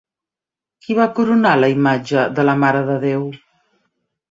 Qui va coronar la imatge de la Mare de Déu?